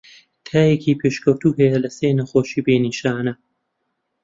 تایەکی پێشکەوتوو هەیە لە سێ نەخۆشی بێ نیشانە.